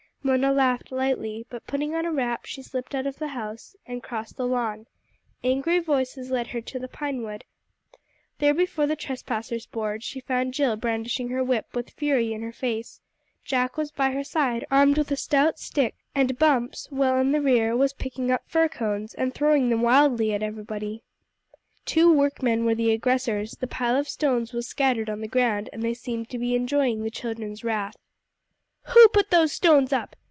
Mona laughed lightly, but putting on a wrap she slipped out of the house and crossed the lawn. Angry voices led her to the pine wood. There before the trespassers' board she found Jill brandishing her whip with fury in her face. Jack was by her side, armed with a stout stick; and Bumps, well in the rear, was picking up fir cones, and throwing them wildly at everybody. Two workmen were the aggressors; the pile of stones was scattered on the ground, and they seemed to be enjoying the children's wrath. "Who put those stones up?"